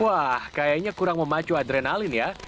wah kayaknya kurang memacu adrenalin ya